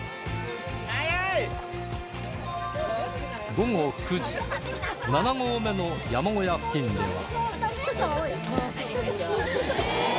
午後９時７合目の山小屋付近では